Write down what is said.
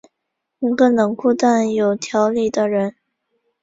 一个冷酷但有条理的人。